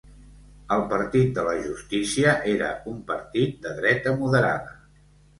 El Partit de la Justícia era un partit de dreta moderada.